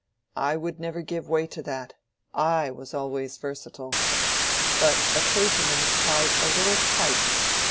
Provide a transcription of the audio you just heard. I would never give way to that; I was always versatile. But a clergyman is tied a little tight.